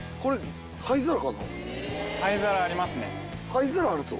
灰皿あるぞ。